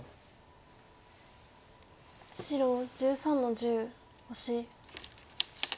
白１３の十オシ。